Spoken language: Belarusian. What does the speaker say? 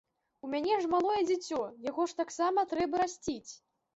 У мяне ж малое дзіцё, яго ж таксама трэба расціць.